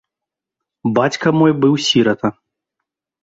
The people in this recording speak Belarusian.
Бацька мой быў сірата.